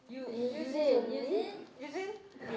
ยูจิน